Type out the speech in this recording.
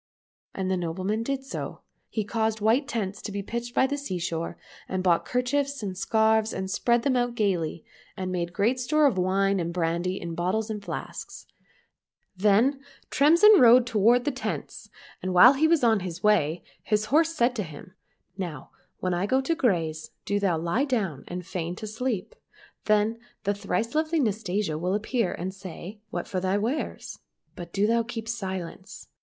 And the nobleman did so. He caused white tents to be pitched by the sea shore, and bought kerchiefs and scarves and spread them out gaily, and made great store of wine and brandy in bottles and flasks. Then Tremsin rode toward the tents, and while he was on the way his horse said to him, " Now when I go to graze, do thou lie down and feign to sleep. Then the thrice lovely Nastasia will appear and say, ' What for thy wares ?' but do thou keep silence.